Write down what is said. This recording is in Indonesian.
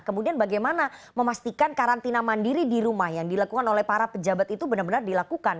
kemudian bagaimana memastikan karantina mandiri di rumah yang dilakukan oleh para pejabat itu benar benar dilakukan